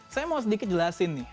saya mau sedikit jelasin nih